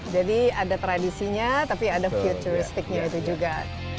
jadi ada tradisinya tapi ada futuristiknya itu juga